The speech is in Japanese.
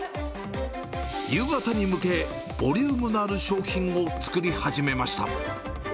夕方に向け、ボリュームのある商品を作り始めました。